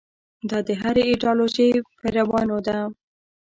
دا د هرې ایدیالوژۍ پیروانو ده.